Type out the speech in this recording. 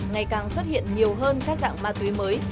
ngày càng xuất hiện nhiều hơn các dạng ma túy mới